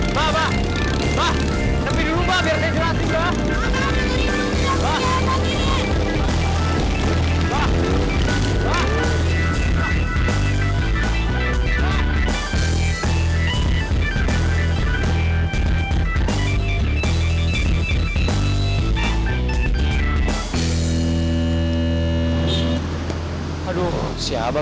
mbak bu merah abah